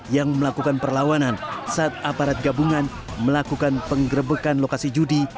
yang melakukan perlawanan saat aparat gabungan melakukan penggerbekan lokasi judi